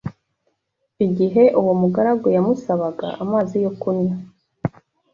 Igihe uwo mugaragu yamusabaga amazi yo kunywa